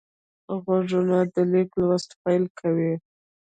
غوږونه د لیک لوست پیل کوي